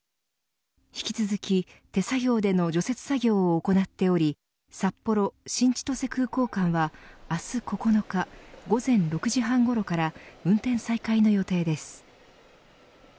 引き続き手作業での除雪作業を行っており札幌、新千歳空港間は明日９日午前６時半ごろから運転再開の予定です。